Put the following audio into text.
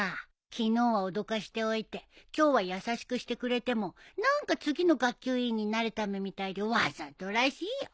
昨日は脅かしておいて今日は優しくしてくれても何か次の学級委員になるためみたいでわざとらしいよ。